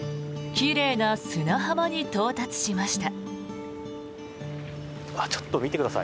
奇麗な砂浜に到達しました。